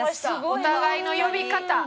お互いの呼び方